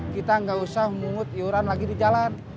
kita nggak usah mungut iuran lagi di jalan